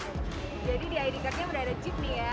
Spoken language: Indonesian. jadi di id card nya udah ada chip nih ya